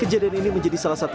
kejadian ini menjadi salah satu